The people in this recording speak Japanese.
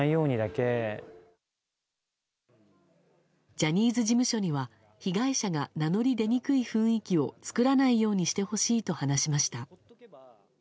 ジャニーズ事務所には被害者が名乗り出にくい雰囲気を作らないようにしてほしいと話しました。